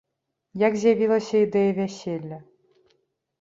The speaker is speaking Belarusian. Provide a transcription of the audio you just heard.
Як з'явілася ідэя вяселля?